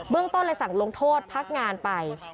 ต้นเลยสั่งลงโทษพักงานไป